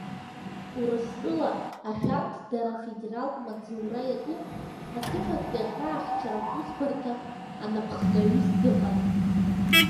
Урыстәыла ашәарҭадара Афедералтә маҵзура иатәу, аҭыԥантәи Аҳәаахьчаратә усбарҭа анаԥхгаҩыс дыҟан.